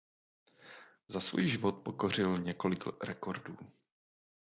Za svůj život pokořil několik rekordů.